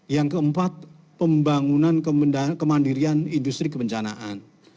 yang keempat pembangunan kemandirian industri kebencanaan